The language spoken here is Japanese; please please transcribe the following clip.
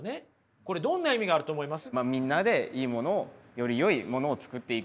これどんな意味があると思います？